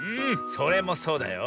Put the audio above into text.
それもそうだよ。